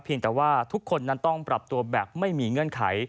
แต่ว่าทุกคนนั้นต้องปรับตัวแบบไม่มีเงื่อนไข